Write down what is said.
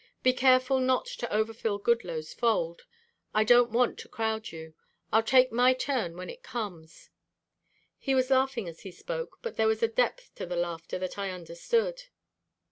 Be careful not to over fill Goodloe's fold. I don't want to crowd you. I'll take my turn when it comes." He was laughing as he spoke but there was a depth to the laughter that I understood.